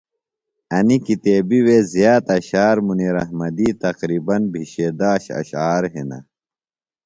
انیۡ کتیبی وے زیات اشعار منیر احمدی تقریبن بِھشے داش اشعار ہِنہ۔